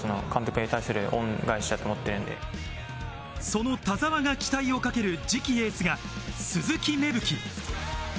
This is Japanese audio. その田澤が期待をかける次期エースが鈴木芽吹。